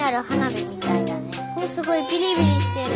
すごいビリビリしてる。